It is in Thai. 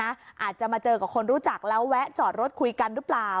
อาจจะมาเจอกับคนรู้จักแล้วแวะจอดรถคุยกันหรือเปล่า